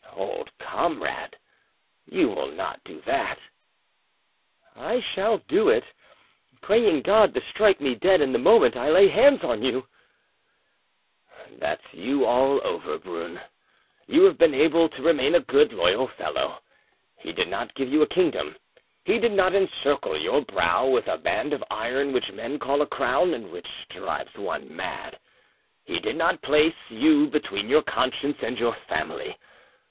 "Old comrade, you will not do that?" "I shall do it, praying God to strike me dead in the moment I lay hands on you!" "That's you all over, Brune. You have been able to remain a good, loyal fellow. He did not give you a kingdom, he did not encircle your brow with a band of iron which men call a crown and which drives one mad; he did not place you between your conscience and your family.